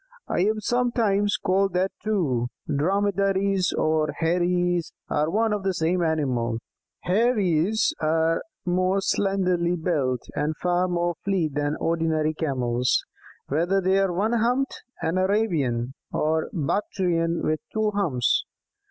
"I am sometimes called that too. Dromedaries or Heiries are one and the same animal. Heiries are more slenderly built and far more fleet than ordinary Camels, whether they are one humped and Arabian, or Bactrian, with two humps.